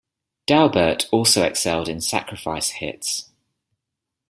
Daubert also excelled in sacrifice hits.